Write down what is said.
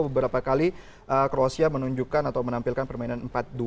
beberapa kali croatia menunjukkan atau menampilkan permainan empat dua tiga satu